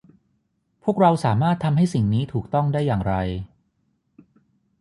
พวกเราสามารถทำให้สิ่งนี้ถูกต้องได้อย่างไร